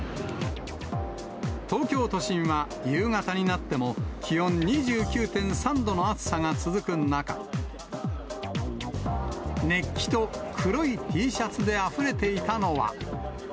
東京都心は夕方になっても、気温２９．３度の暑さが続く中、熱気と黒いＴシャツであふれていたのは。